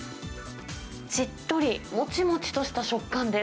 しっとりもちもちとした食感です。